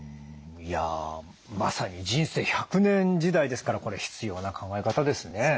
いやまさに人生１００年時代ですからこれ必要な考え方ですね。